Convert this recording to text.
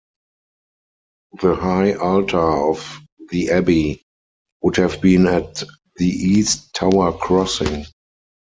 The high altar of the abbey would have been at the east tower crossing.